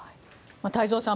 太蔵さん